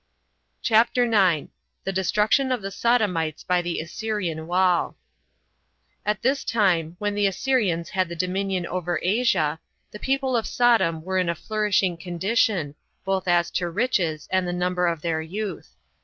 CHAPTER 9. The Destruction Of The Sodomites By The Assyrian War. At this time, when the Assyrians had the dominion over Asia, the people of Sodom were in a flourishing condition, both as to riches and the number of their youth.